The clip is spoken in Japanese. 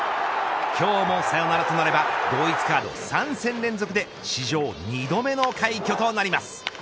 今日もサヨナラとなれば同一カード３戦連続で史上２度目の快挙となります。